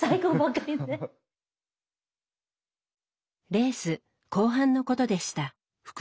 レース後半のことでした。